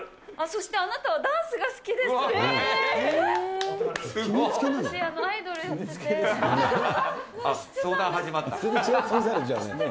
そして、あなたはダンスが好きですって。